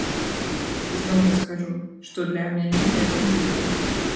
І зноў жа скажу, што для мяне гэта дзіўна.